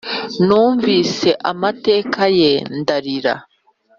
Numvise amateka ye ndarira